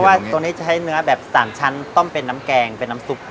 ว่าตัวนี้จะใช้เนื้อแบบ๓ชั้นต้มเป็นน้ำแกงเป็นน้ำซุป